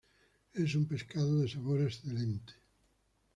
Es un pescado de sabor excelente.